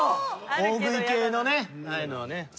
大食い系のねああいうのはね。